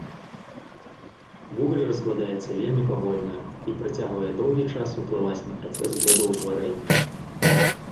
Вугаль раскладаецца вельмі павольна і працягвае доўгі час ўплываць на працэс глебаўтварэння.